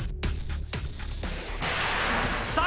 さあ